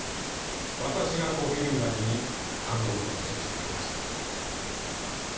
私が小比類巻に単独での捜査を許可した。